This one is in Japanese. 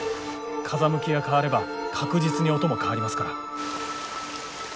風向きが変われば確実に音も変わりますから。